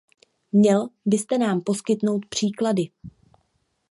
Měl byste nám poskytnout příklady.